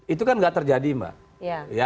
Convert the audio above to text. itu kan nggak terjadi mbak